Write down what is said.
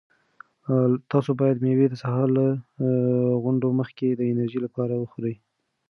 تاسو باید مېوې د سهار له غونډو مخکې د انرژۍ لپاره وخورئ.